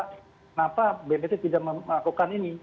kenapa bnpt tidak melakukan ini